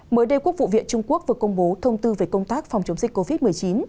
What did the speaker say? mới đây quốc vụ viện trung quốc vừa công bố thông tư về công tác phòng chống dịch covid một mươi chín